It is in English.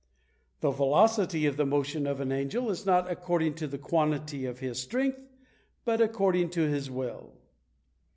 The velocity of the motion of an angel is not according to the quantity of his strength, but according to his will.